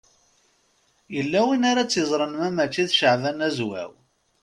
Yella win ara tt-yeẓren ma mačči d Caɛban Azwaw?